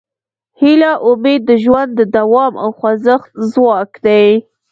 هیله او امید د ژوند د دوام او خوځښت ځواک دی.